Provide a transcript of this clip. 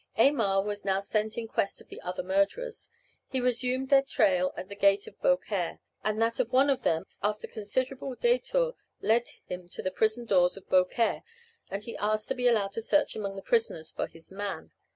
Aymar was now sent in quest of the other murderers. He resumed their trail at the gate of Beaucaire, and that of one of them, after considerable détours, led him to the prison doors of Beaucaire, and he asked to be allowed to search among the prisoners for his man.